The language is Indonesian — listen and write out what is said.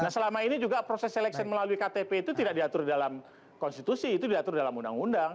nah selama ini juga proses seleksi melalui ktp itu tidak diatur dalam konstitusi itu diatur dalam undang undang